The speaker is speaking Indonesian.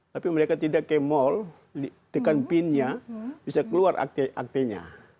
tapi mereka tidak ke mall tekan bin nya bisa keluar aktenya